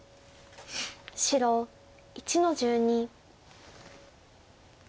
白１の十二。